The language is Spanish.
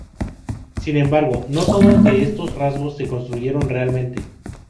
Sin embargo, no todos de estos rasgos se construyeron realmente.